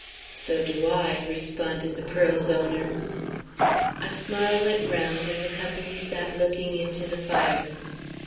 "So do I," responded the pearl's owner. A smile went round, and the company sat looking into the fire.